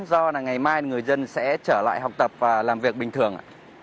do ngày mai người dân sẽ trở lại học tập và làm việc bình thường